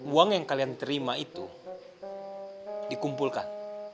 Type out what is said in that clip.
uang yang kalian terima itu dikumpulkan